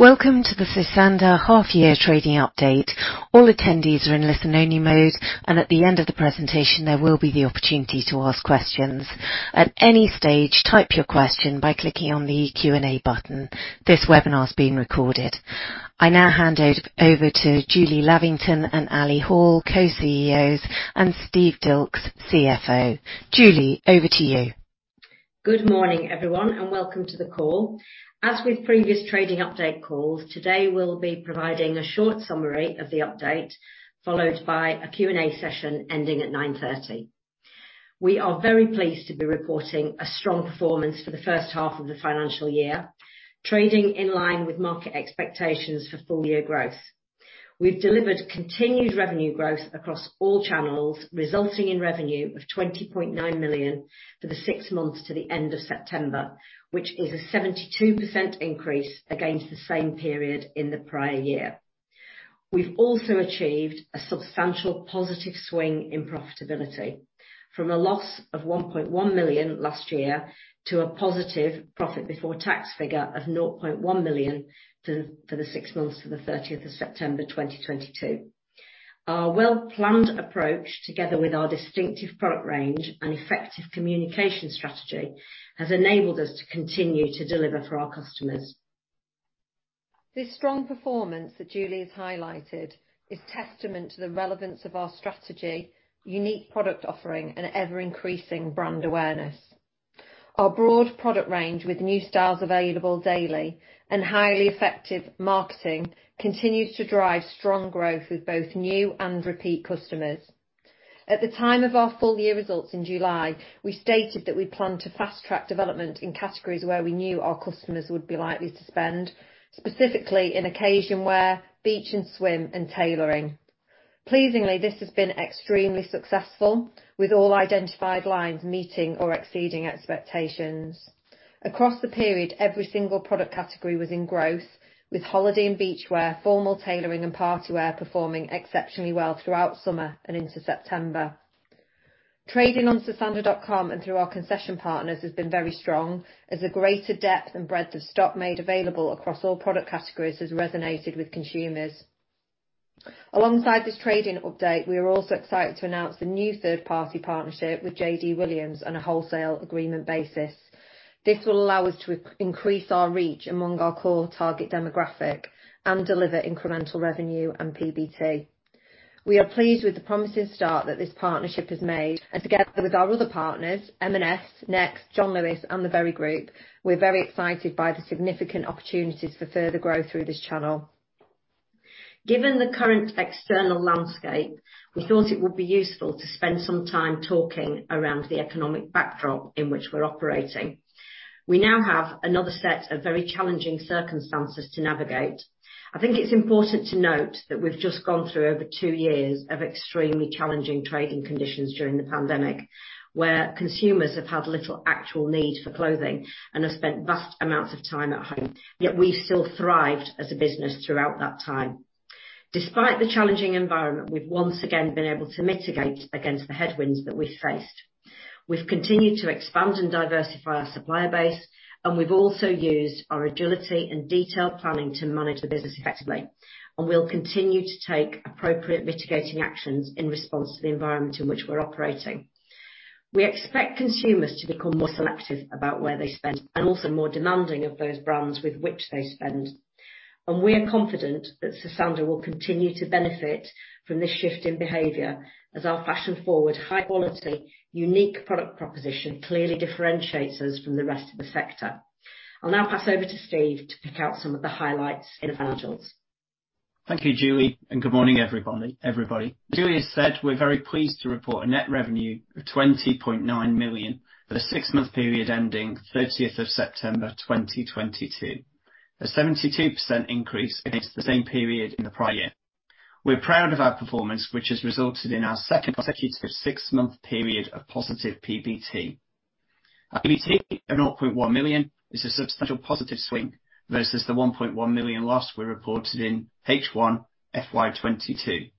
Welcome to the Sosandar half year trading update. All attendees are in listen only mode, and at the end of the presentation, there will be the opportunity to ask questions. At any stage, type your question by clicking on the Q&A button. This webinar is being recorded. I now hand it over to Julie Lavington and Alison Hall, Co-CEOs, and Steve Dilks, CFO. Julie, over to you. Good morning, everyone, and welcome to the call. As with previous trading update calls, today we'll be providing a short summary of the update, followed by a Q&A session ending at 9:30 A.M. We are very pleased to be reporting a strong performance for the first half of the financial year, trading in line with market expectations for full year growth. We've delivered continued revenue growth across all channels, resulting in revenue of 20.9 million for the six months to the end of September, which is a 72% increase against the same period in the prior year. We've also achieved a substantial positive swing in profitability from a loss of 1.1 million last year to a positive profit before tax figure of 0.1 million for the six months to the thirtieth of September 2022. Our well-planned approach, together with our distinctive product range and effective communication strategy, has enabled us to continue to deliver for our customers. This strong performance that Julie has highlighted is testament to the relevance of our strategy, unique product offering, and ever-increasing brand awareness. Our broad product range with new styles available daily and highly effective marketing continues to drive strong growth with both new and repeat customers. At the time of our full year results in July, we stated that we plan to fast-track development in categories where we knew our customers would be likely to spend, specifically in occasion wear, beach and swim, and tailoring. Pleasingly, this has been extremely successful, with all identified lines meeting or exceeding expectations. Across the period, every single product category was in growth, with holiday and beachwear, formal tailoring, and party wear performing exceptionally well throughout summer and into September. Trading on sosandar.com and through our concession partners has been very strong as a greater depth and breadth of stock made available across all product categories has resonated with consumers. Alongside this trading update, we are also excited to announce a new third-party partnership with JD Williams on a wholesale agreement basis. This will allow us to increase our reach among our core target demographic and deliver incremental revenue and PBT. We are pleased with the promising start that this partnership has made, and together with our other partners, M&S, Next, John Lewis, and The Very Group, we're very excited by the significant opportunities for further growth through this channel. Given the current external landscape, we thought it would be useful to spend some time talking around the economic backdrop in which we're operating. We now have another set of very challenging circumstances to navigate. I think it's important to note that we've just gone through over two years of extremely challenging trading conditions during the pandemic, where consumers have had little actual need for clothing and have spent vast amounts of time at home, yet we've still thrived as a business throughout that time. Despite the challenging environment, we've once again been able to mitigate against the headwinds that we faced. We've continued to expand and diversify our supplier base, and we've also used our agility and detailed planning to manage the business effectively. We'll continue to take appropriate mitigating actions in response to the environment in which we're operating. We expect consumers to become more selective about where they spend and also more demanding of those brands with which they spend. We are confident that Sosandar will continue to benefit from this shift in behavior as our fashion-forward, high-quality, unique product proposition clearly differentiates us from the rest of the sector. I'll now pass over to Steve to pick out some of the highlights in our financials. Thank you, Julie, and good morning, everybody. Julie has said, we're very pleased to report a net revenue of 20.9 million for the six-month period ending thirtieth of September 2022. A 72% increase against the same period in the prior year. We're proud of our performance, which has resulted in our second consecutive six-month period of positive PBT. Our PBT of 0.1 million is a substantial positive swing versus the 1.1 million loss we reported in H1 FY22.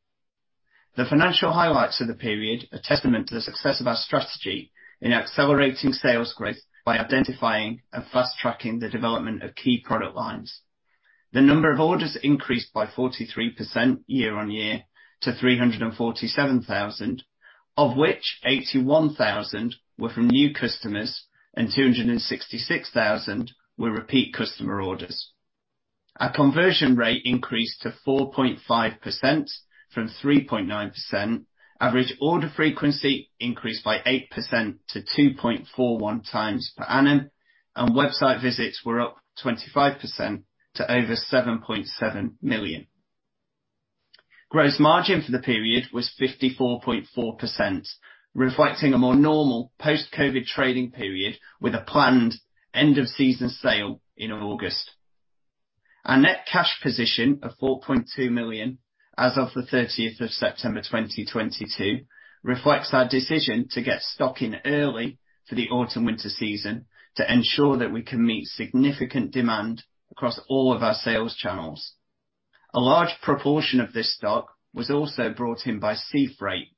The financial highlights of the period are testament to the success of our strategy in accelerating sales growth by identifying and fast-tracking the development of key product lines. The number of orders increased by 43% year-on-year to 347,000, of which 81,000 were from new customers and 266,000 were repeat customer orders. Our conversion rate increased to 4.5% from 3.9%. Average order frequency increased by 8% to 2.41 times per annum, and website visits were up 25% to over 7.7 million. Gross margin for the period was 54.4%, reflecting a more normal post-COVID trading period with a planned end-of-season sale in August. Our net cash position of 4.2 million as of the 30th of September 2022 reflects our decision to get stock in early for the autumn/winter season to ensure that we can meet significant demand across all of our sales channels. A large proportion of this stock was also brought in by sea freight,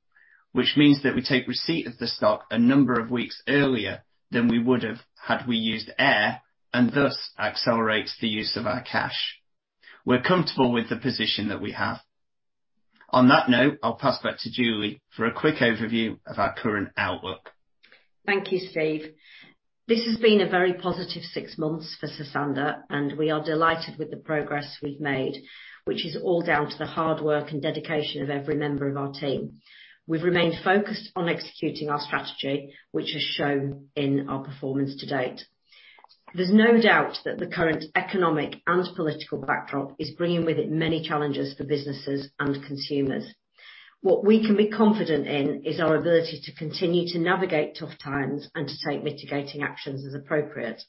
which means that we take receipt of the stock a number of weeks earlier than we would have had we used air, and thus accelerates the use of our cash. We're comfortable with the position that we have. On that note, I'll pass back to Julie for a quick overview of our current outlook. Thank you, Steve. This has been a very positive six months for Sosandar, and we are delighted with the progress we've made, which is all down to the hard work and dedication of every member of our team. We've remained focused on executing our strategy, which has shown in our performance to date. There's no doubt that the current economic and political backdrop is bringing with it many challenges for businesses and consumers. What we can be confident in is our ability to continue to navigate tough times and to take mitigating actions as appropriate.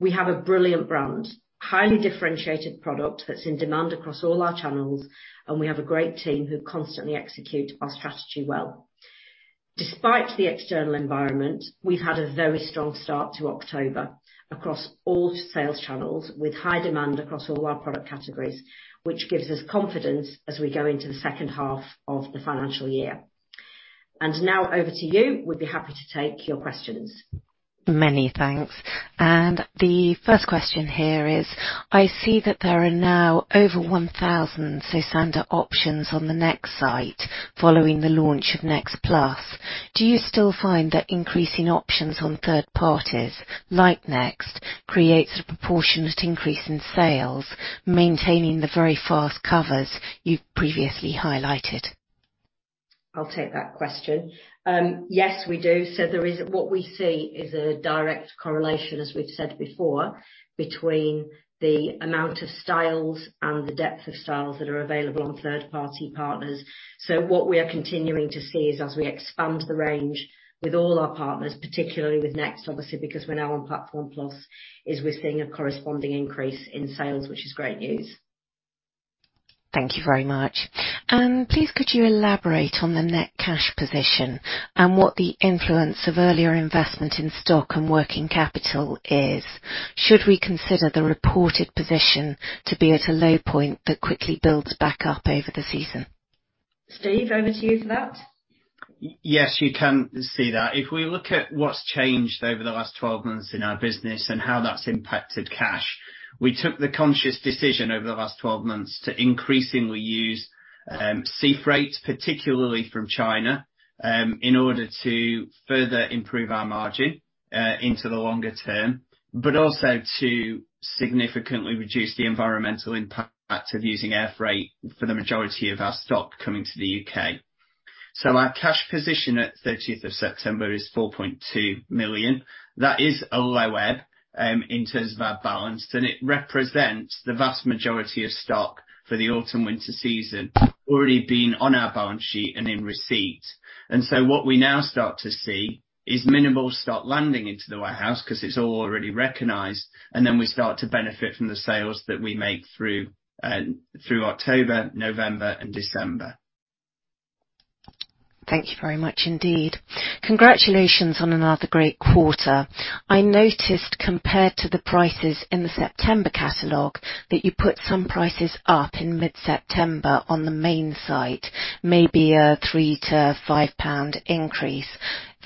We have a brilliant brand, highly differentiated product that's in demand across all our channels, and we have a great team who constantly execute our strategy well. Despite the external environment, we've had a very strong start to October across all sales channels, with high demand across all our product categories, which gives us confidence as we go into the second half of the financial year. Now over to you. We'll be happy to take your questions. Many thanks. The first question here is: I see that there are now over 1,000 Sosandar options on the Next site following the launch of Platform Plus. Do you still find that increasing options on third parties like Next creates a proportionate increase in sales, maintaining the very fast covers you've previously highlighted? I'll take that question. Yes, we do. What we see is a direct correlation, as we've said before, between the amount of styles and the depth of styles that are available on third-party partners. What we are continuing to see is as we expand the range with all our partners, particularly with Next, obviously because we're now on Platform Plus, is we're seeing a corresponding increase in sales, which is great news. Thank you very much. Please, could you elaborate on the net cash position and what the influence of earlier investment in stock and working capital is? Should we consider the reported position to be at a low point that quickly builds back up over the season? Steve, over to you for that. Yes, you can see that. If we look at what's changed over the last 12 months in our business and how that's impacted cash, we took the conscious decision over the last 12 months to increasingly use sea freight, particularly from China, in order to further improve our margin into the longer term, but also to significantly reduce the environmental impact of using air freight for the majority of our stock coming to the U.K. Our cash position at 13th of September is 4.2 million. That is a low ebb in terms of our balance, and it represents the vast majority of stock for the autumn-winter season already being on our balance sheet and in receipt. What we now start to see is minimal stock landing into the warehouse 'cause it's all already recognized, and then we start to benefit from the sales that we make through October, November and December. Thank you very much indeed. Congratulations on another great quarter. I noticed, compared to the prices in the September catalog, that you put some prices up in mid-September on the main site, maybe a 3-5 pound increase.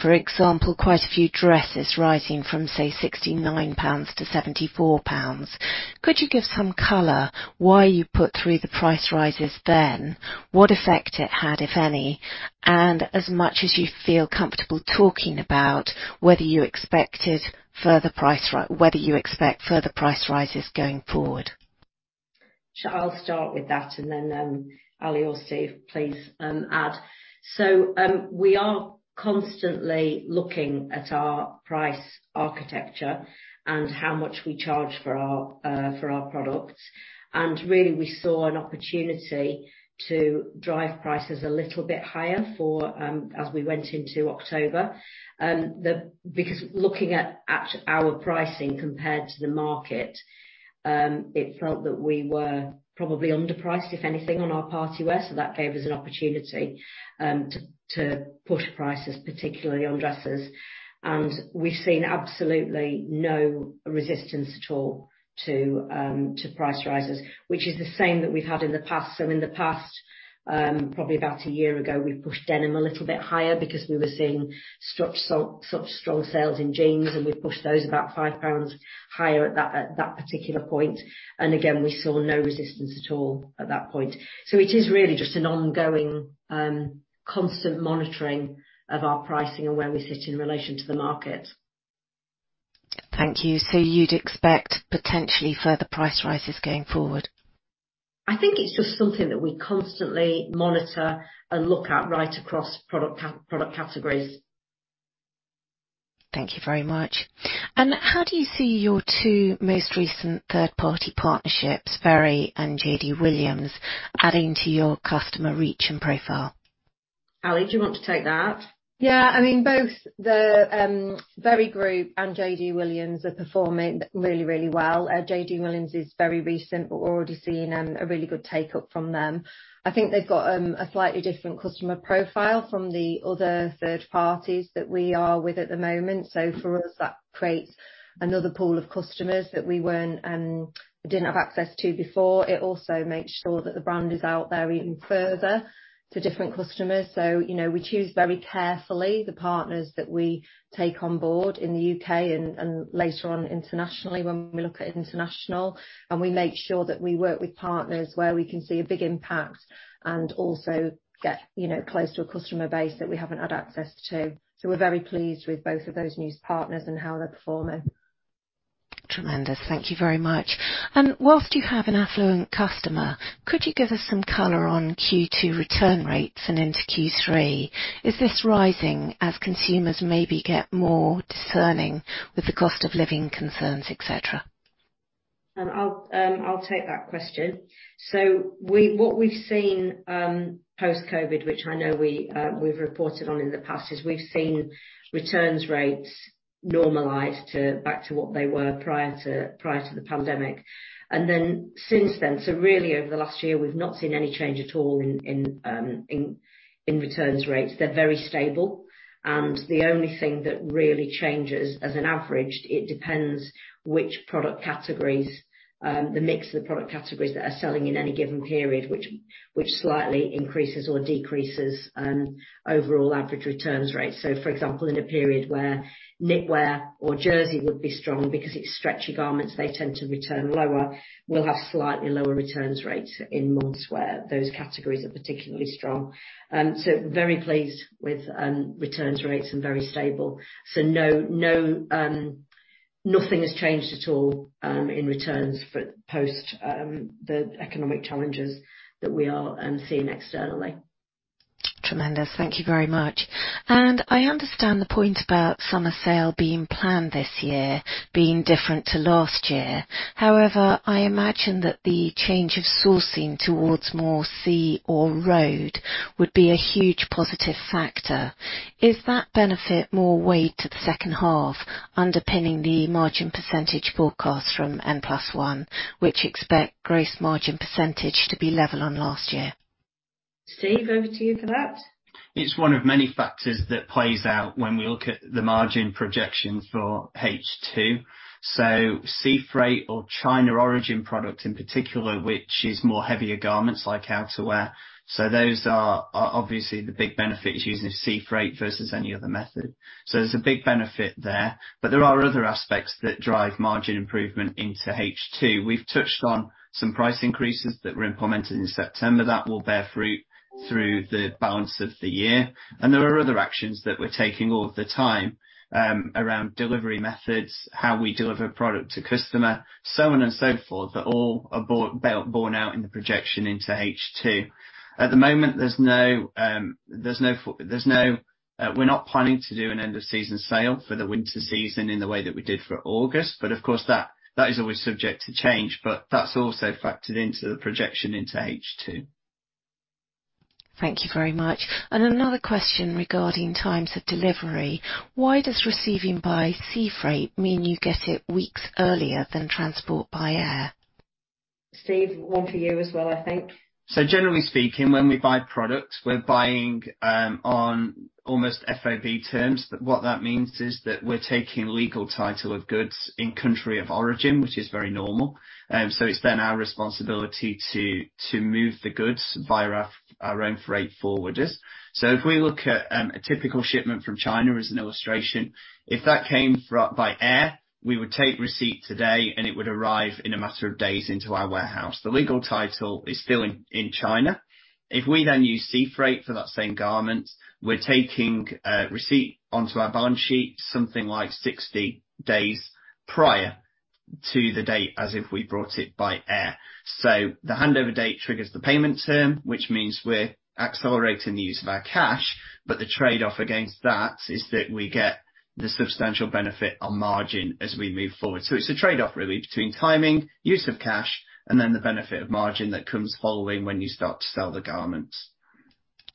For example, quite a few dresses rising from, say, 69 pounds to 74 pounds. Could you give some color why you put through the price rises then? What effect it had, if any? As much as you feel comfortable talking about whether you expect further price rises going forward. Sure. I'll start with that, and then, Ali or Steve, please, add. We are constantly looking at our price architecture and how much we charge for our products. Really, we saw an opportunity to drive prices a little bit higher for as we went into October because looking at our pricing compared to the market, it felt that we were probably underpriced, if anything, on our party wear. That gave us an opportunity to push prices, particularly on dresses. We've seen absolutely no resistance at all to price rises, which is the same that we've had in the past. In the past, probably about a year ago, we pushed denim a little bit higher because we were seeing such strong sales in jeans, and we pushed those about 5 pounds higher at that particular point. Again, we saw no resistance at all at that point. It is really just an ongoing, constant monitoring of our pricing and where we sit in relation to the market. Thank you. You'd expect potentially further price rises going forward? I think it's just something that we constantly monitor and look at right across product categories. Thank you very much. How do you see your two most recent third-party partnerships, Very and JD Williams, adding to your customer reach and profile? Ali, do you want to take that? Yeah, I mean both the The Very Group and JD Williams are performing really, really well. JD Williams is very recent, but we're already seeing a really good take-up from them. I think they've got a slightly different customer profile from the other third parties that we are with at the moment. For us, that creates another pool of customers that we didn't have access to before. It also makes sure that the brand is out there even further to different customers. You know, we choose very carefully the partners that we take on board in the U.K. and later on internationally, and we make sure that we work with partners where we can see a big impact and also get, you know, close to a customer base that we haven't had access to. We're very pleased with both of those new partners and how they're performing. Tremendous. Thank you very much. While you have an affluent customer, could you give us some color on Q2 return rates and into Q3? Is this rising as consumers maybe get more discerning with the cost of living concerns, et cetera? I'll take that question. What we've seen, post-COVID, which I know we've reported on in the past, is we've seen returns rates normalize back to what they were prior to the pandemic. Since then, really over the last year, we've not seen any change at all in returns rates. They're very stable and the only thing that really changes as an average is it depends which product categories, the mix of the product categories that are selling in any given period, which slightly increases or decreases overall average returns rate. For example, in a period where knitwear or jersey would be strong because it's stretchy garments, they tend to return lower. We'll have slightly lower returns rates in months where those categories are particularly strong. Very pleased with returns rates and very stable. No, nothing has changed at all in returns post the economic challenges that we are seeing externally. Tremendous. Thank you very much. I understand the point about summer sale being planned this year being different to last year. However, I imagine that the change of sourcing towards more sea or road would be a huge positive factor. Is that benefit more weighed to the second half underpinning the margin percentage forecast from N+1 Singer, which expect gross margin percentage to be level on last year? Steve, over to you for that. It's one of many factors that plays out when we look at the margin projections for H2. Sea freight or China origin products in particular, which is more heavier garments like outerwear. Those are obviously the big benefits using sea freight versus any other method. There's a big benefit there, but there are other aspects that drive margin improvement into H2. We've touched on some price increases that were implemented in September that will bear fruit through the balance of the year. There are other actions that we're taking all of the time, around delivery methods, how we deliver product to customer, so on and so forth, that all are borne out in the projection into H2. At the moment, there's no, we're not planning to do an end of season sale for the winter season in the way that we did for August. Of course that is always subject to change, but that's also factored into the projection into H2. Thank you very much. Another question regarding times of delivery. Why does receiving by sea freight mean you get it weeks earlier than transport by air? Steve, one for you as well, I think. Generally speaking, when we buy products, we're buying on almost FOB terms. What that means is that we're taking legal title of goods in country of origin, which is very normal. It's then our responsibility to move the goods via our own freight forwarders. If we look at a typical shipment from China as an illustration, if that came by air, we would take receipt today, and it would arrive in a matter of days into our warehouse. The legal title is still in China. If we then use sea freight for that same garment, we're taking receipt onto our balance sheet, something like 60 days prior to the date, as if we brought it by air. The handover date triggers the payment term, which means we're accelerating the use of our cash, but the trade-off against that is that we get the substantial benefit on margin as we move forward. It's a trade-off really between timing, use of cash, and then the benefit of margin that comes following when you start to sell the garments.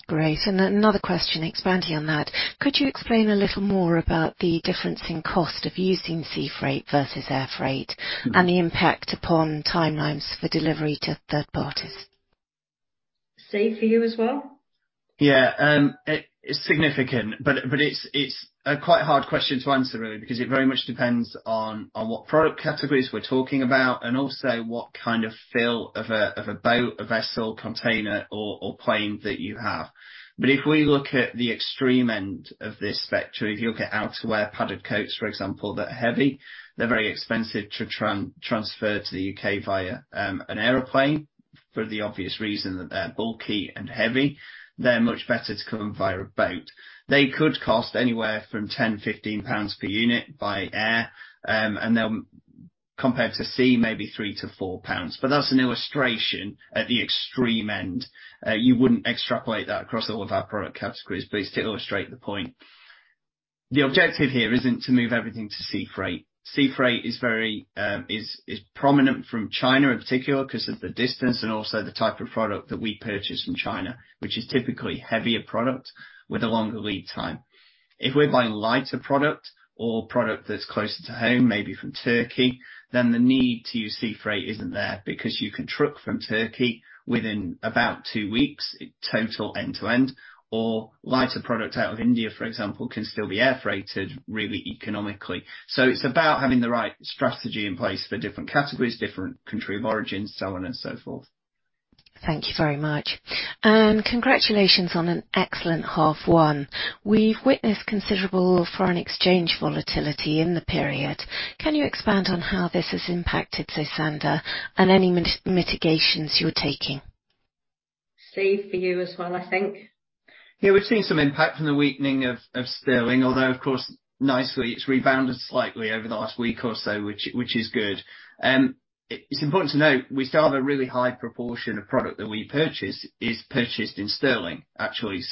Great. Another question expanding on that. Could you explain a little more about the difference in cost of using sea freight versus air freight? Mm-hmm. The impact upon timelines for delivery to third parties? Steve, for you as well. Yeah. It's significant, but it's a quite hard question to answer really because it very much depends on what product categories we're talking about and also what kind of fill of a boat, a vessel, container or plane that you have. If we look at the extreme end of this spectrum, if you look at outerwear, padded coats for example, that are heavy, they're very expensive to transfer to the U.K. via an airplane for the obvious reason that they're bulky and heavy. They're much better to come via boat. They could cost anywhere from 10-15 pounds per unit by air, and compared to sea, maybe 3-4 pounds. That's an illustration at the extreme end. You wouldn't extrapolate that across all of our product categories, but it's to illustrate the point. The objective here isn't to move everything to sea freight. Sea freight is very prominent from China in particular 'cause of the distance and also the type of product that we purchase from China, which is typically heavier product with a longer lead time. If we're buying lighter product or product that's closer to home, maybe from Turkey, then the need to use sea freight isn't there because you can truck from Turkey within about two weeks total end-to-end, or lighter product out of India, for example, can still be air freighted really economically. It's about having the right strategy in place for different categories, different country of origins, so on and so forth. Thank you very much. Congratulations on an excellent half one. We've witnessed considerable foreign exchange volatility in the period. Can you expand on how this has impacted Sosandar and any mitigations you're taking? Steve, for you as well, I think. Yeah. We've seen some impact from the weakening of sterling, although, of course, nicely, it's rebounded slightly over the last week or so, which is good. It's important to note we still have a really high proportion of product that we purchase is purchased in sterling, actually.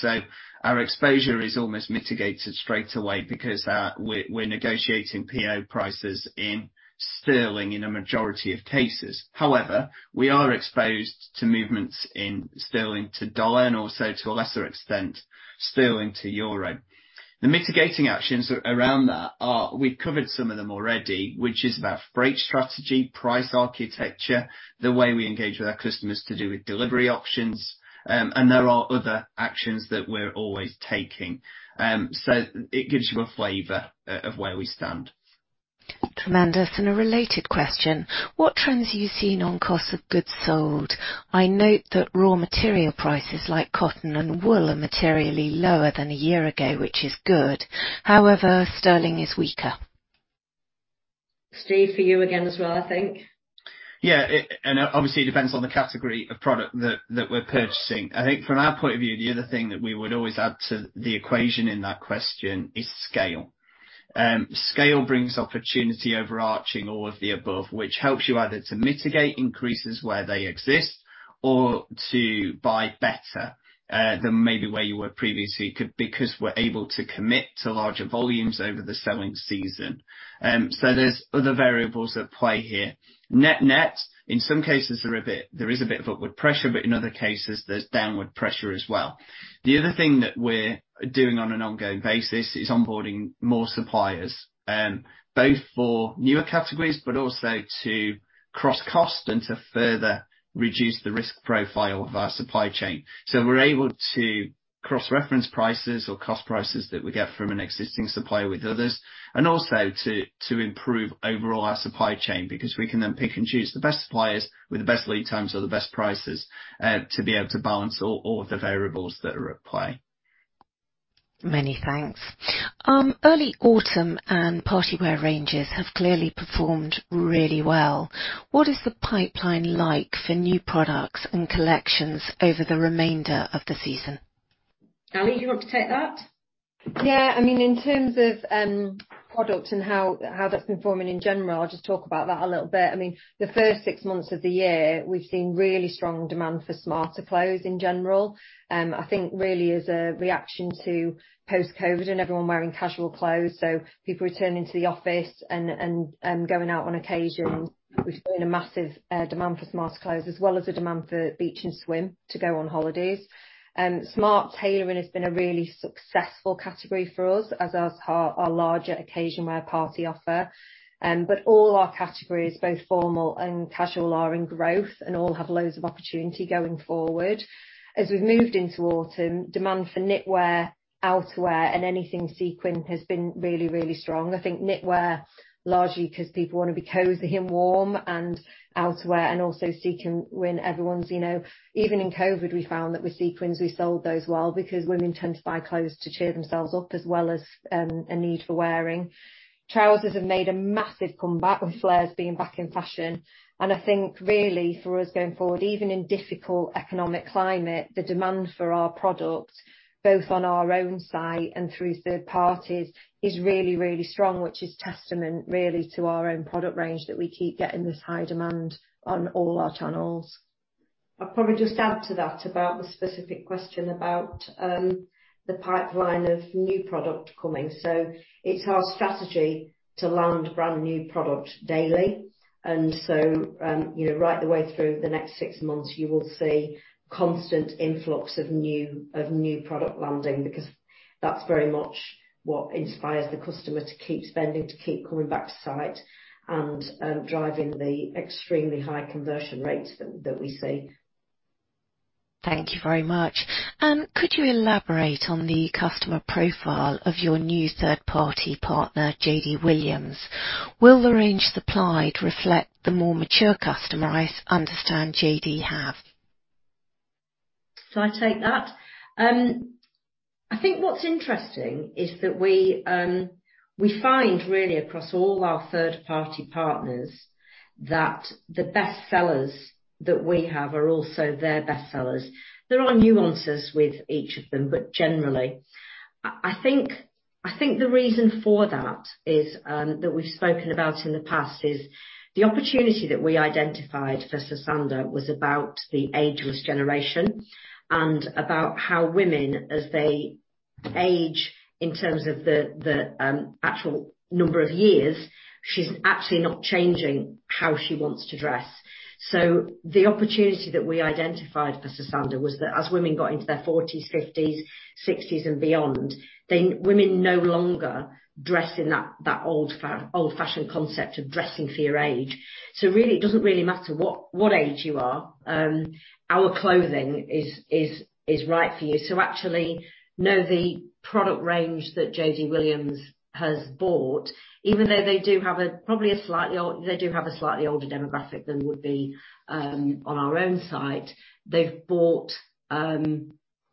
Our exposure is almost mitigated straight away because we're negotiating PO prices in sterling in a majority of cases. However, we are exposed to movements in sterling to dollar and also to a lesser extent, sterling to euro. The mitigating actions around that are we've covered some of them already, which is about freight strategy, price architecture, the way we engage with our customers to do with delivery options, and there are other actions that we're always taking. It gives you a flavor of where we stand. Thank you, Mandus. A related question. What trends are you seeing on cost of goods sold? I note that raw material prices like cotton and wool are materially lower than a year ago, which is good. However, sterling is weaker. Steve, for you again as well, I think. Yeah, obviously it depends on the category of product that we're purchasing. I think from our point of view, the other thing that we would always add to the equation in that question is scale. Scale brings opportunity overarching all of the above, which helps you either to mitigate increases where they exist or to buy better than maybe where you were previously because we're able to commit to larger volumes over the selling season. There's other variables at play here. Net-net, in some cases, there is a bit of upward pressure, but in other cases there's downward pressure as well. The other thing that we're doing on an ongoing basis is onboarding more suppliers, both for newer categories, but also to cross cost and to further reduce the risk profile of our supply chain. We're able to cross-reference prices or cost prices that we get from an existing supplier with others and also to improve overall our supply chain because we can then pick and choose the best suppliers with the best lead times or the best prices to be able to balance all the variables that are at play. Many thanks. Early autumn and party wear ranges have clearly performed really well. What is the pipeline like for new products and collections over the remainder of the season? Ali, do you want to take that? Yeah. I mean, in terms of product and how that's been forming in general, I'll just talk about that a little bit. I mean, the first six months of the year, we've seen really strong demand for smarter clothes in general. I think really as a reaction to post-COVID and everyone wearing casual clothes, so people returning to the office and going out on occasions. We've seen a massive demand for smarter clothes as well as a demand for beach and swim to go on holidays. Smart tailoring has been a really successful category for us as has our larger occasion wear party offer. All our categories, both formal and casual are in growth and all have loads of opportunity going forward. As we've moved into autumn, demand for knitwear, outerwear, and anything sequin has been really, really strong. I think knitwear largely 'cause people wanna be cozy and warm and outerwear and also sequin when everyone's, you know. Even in COVID, we found that with sequins, we sold those well because women tend to buy clothes to cheer themselves up as well as a need for wearing. Trousers have made a massive comeback with flares being back in fashion. I think really for us going forward, even in difficult economic climate, the demand for our product, both on our own site and through third parties, is really, really strong, which is testament really to our own product range that we keep getting this high demand on all our channels. I'll probably just add to that about the specific question about the pipeline of new product coming. It's our strategy to land brand new product daily. you know, right the way through the next six months you will see constant influx of new product landing because that's very much what inspires the customer to keep spending, to keep coming back to site and driving the extremely high conversion rates that we see. Thank you very much. Could you elaborate on the customer profile of your new third-party partner, JD Williams? Will the range supplied reflect the more mature customer I understand JD have? Shall I take that? I think what's interesting is that we find really across all our third-party partners that the best sellers that we have are also their best sellers. There are nuances with each of them, but generally. I think the reason for that is that we've spoken about in the past is the opportunity that we identified for Sosandar was about the ageless generation and about how women as they age in terms of the actual number of years, she's absolutely not changing how she wants to dress. The opportunity that we identified for Sosandar was that as women got into their forties, fifties, sixties and beyond, women no longer dress in that old-fashioned concept of dressing for your age. Really, it doesn't really matter what age you are, our clothing is right for you. Actually, no, the product range that JD Williams has bought, even though they do have a slightly older demographic than would be on our own site. They've bought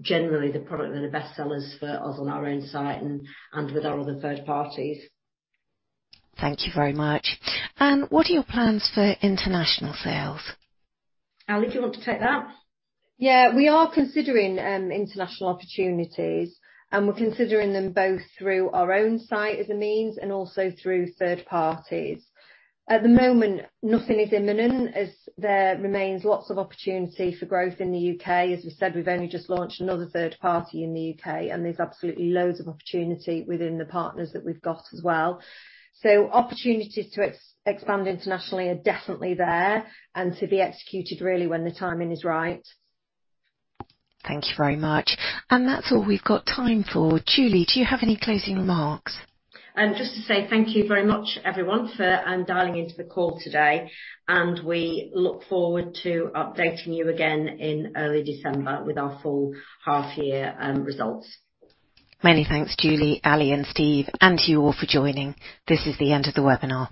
generally the product that are bestsellers for us on our own site and with our other third parties. Thank you very much. What are your plans for international sales? Ali, do you want to take that? Yeah. We are considering international opportunities, and we're considering them both through our own site as a means and also through third parties. At the moment, nothing is imminent as there remains lots of opportunity for growth in the U.K. As we said, we've only just launched another third party in the U.K., and there's absolutely loads of opportunity within the partners that we've got as well. Opportunities to expand internationally are definitely there and to be executed really when the timing is right. Thank you very much. That's all we've got time for. Julie, do you have any closing remarks? Just to say thank you very much everyone for dialing into the call today, and we look forward to updating you again in early December with our full half year results. Many thanks, Julie, Ali, and Steve, and to you all for joining. This is the end of the webinar.